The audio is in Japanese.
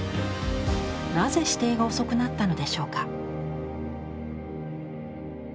なぜ指定が遅くなったのでしょうか。